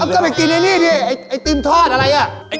ก็ไปกินไอ้นี่ดิไอติมทอดอะไรอ่ะ